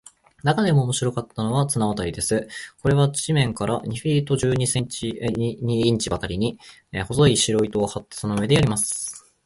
なかでも面白かったのは、綱渡りです。これは地面から二フィート十二インチばかりに、細い白糸を張って、その上でやります。